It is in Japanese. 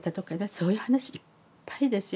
そういう話いっぱいですよ。